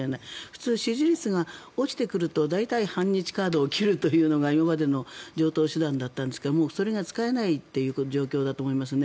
普通、支持率が落ちてくると大体、反日カードを切るというのが、今までの常とう手段だったんですがそれが使えないという状況だと思います。